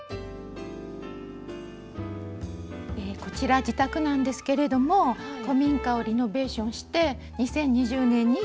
こちら自宅なんですけれども古民家をリノベーションして２０２０年に移住しました。